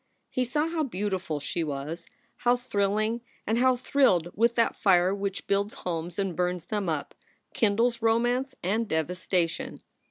He saw how beautiful she was, how thrilling and how thrilled with that fire which builds homes and burns them up, kindles romance and devastation.